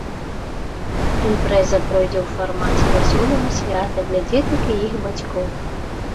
Імпрэза пройдзе ў фармаце вясёлага свята для дзетак і іх бацькоў.